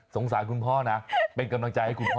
คุณพ่อนะเป็นกำลังใจให้คุณพ่อ